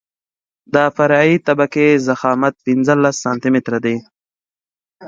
د فرعي طبقې ضخامت پنځلس سانتي متره دی